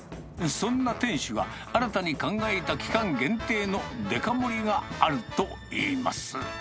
そんな店主が新たに考えた期間限定のデカ盛りがあるといいます。